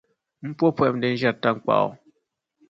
M po pɔhim din ʒiεri taŋkpaɣu